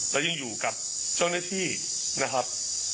แล้วยังอยู่กับเจ้าหน้าที่นะครับ